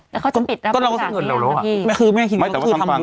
แล้วเขาจะปิดรับบริจาคนี้อ่ะ